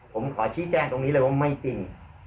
ผมขอชี้แจ้งตรงนี้เลยว่าไม่จริง